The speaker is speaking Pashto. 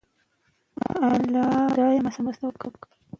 بنارسي ټوکران ډیر مشهور دي.